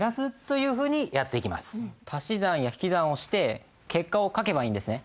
足し算や引き算をして結果を書けばいいんですね。